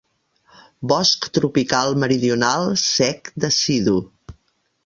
Bosc tropical meridional sec decidu.